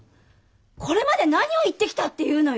これまで何を言ってきたっていうのよ。